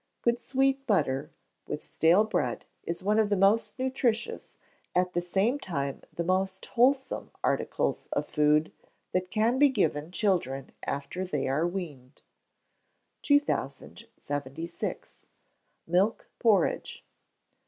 Good sweet butter, with stale bread, is one of the most nutritious, at the same time the most wholesome articles of food that can be given children after they are weaned. 2076. Milk Porridge.